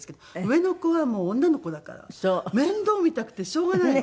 上の子は女の子だから面倒を見たくてしょうがないの。